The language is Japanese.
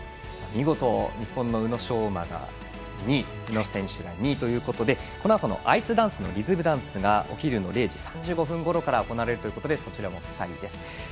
見事、日本の宇野昌磨選手２位ということでこのあとアイスダンスのリズムダンスがお昼の０時３５分ごろから行われるということでそちらも期待です。